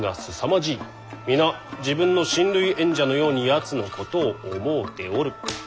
皆自分の親類縁者のようにやつのことを思うておる。